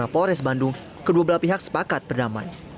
lima polres bandung kedua belah pihak sepakat berdamai